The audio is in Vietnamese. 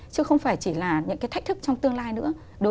chứ không phải chỉ là những cái thách thức trong tương lai nữa